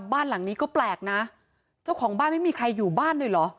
บ้านหลังนี้ก็แปลกนะเจ้าของบ้านไม่มีใครอยู่บ้านเลยเหรอ